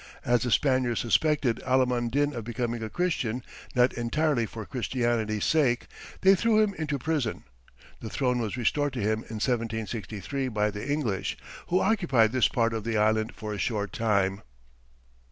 As the Spaniards suspected Alimund Din of becoming a Christian not entirely for Christianity's sake, they threw him into prison. The throne was restored to him in 1763 by the English, who occupied this part of the island for a short time.